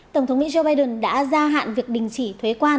tổng thống mỹ joe biden đã gia hạn việc đình chỉ thuế quan